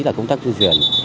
là công tác tuyển